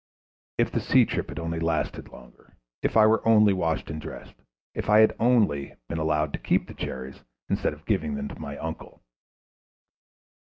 If the sea trip had only lasted longer; if I were only washed and dressed; if I had only been allowed to keep the cherries instead of giving them to my uncle.